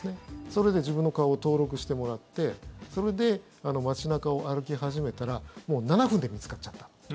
それで自分の顔を登録してもらってそれで街中を歩き始めたらもう７分で見つかっちゃった。